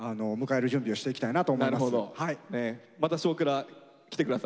また「少クラ」来て下さい。